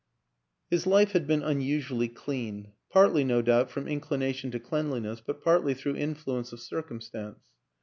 His life had been unusually clean; partly, no doubt, from inclination to cleanliness, but partly through influence of circumstance.